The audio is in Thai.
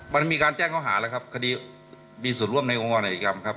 มันมีการแจ้งข้อหาแล้วครับคดีมีส่วนร่วมในองค์กรอาธิกรรมครับ